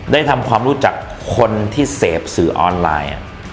ได้ทำความรู้จักคนที่เสพสื่อออนไลน์